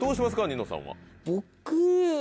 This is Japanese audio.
ニノさんは。